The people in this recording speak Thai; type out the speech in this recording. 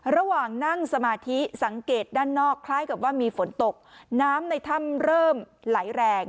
ระหว่างนั่งสมาธิสังเกตด้านนอกคล้ายกับว่ามีฝนตกน้ำในถ้ำเริ่มไหลแรง